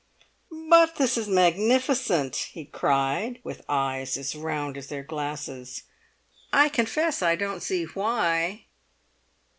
"But this is magnificent!" he cried, with eyes as round as their glasses. "I confess I don't see why."